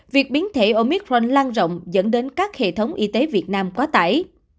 việc biến thể omitrand lan rộng dẫn đến các hệ thống y tế việt nam quá tải